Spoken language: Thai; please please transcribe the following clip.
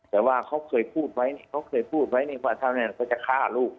แต่ว่าเค้าเคยพูดไว้แต่ว่าถ้าคนนั้นนี่มันจะฆ่าลูก